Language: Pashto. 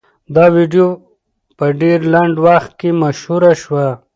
دا ویډیو په ډېر لنډ وخت کې مشهوره شوه.